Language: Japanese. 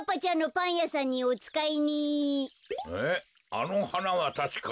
あのはなはたしか。